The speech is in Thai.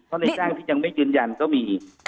ถ้าในจ้างที่ไม่จื้นยันก็อยู่อีก